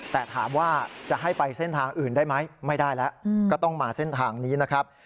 แต่ถามว่าจะให้ไปเส้นทางอื่นได้ไหมไม่ได้แล้วก็ต้องมาเส้นทางนี้นะครับ